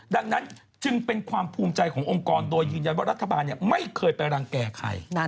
ดังนั้นจึงเป็นความภูมิใจขององค์กรโดยยืนยันว่ารัฐบาลไม่เคยไปรังแก่ใคร